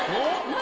何？